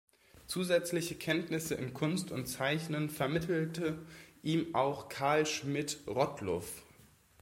Zusätzliche Kenntnisse in Kunst und Zeichnen vermittelte ihm auch Karl Schmidt-Rottluff.